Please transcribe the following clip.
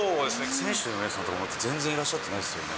選手の皆さんとか、まだ全然いらっしゃってないですよね。